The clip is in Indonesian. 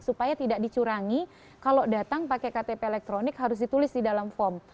supaya tidak dicurangi kalau datang pakai ktp elektronik harus ditulis di dalam form